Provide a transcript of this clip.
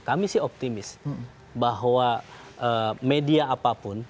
kami sih optimis bahwa media apapun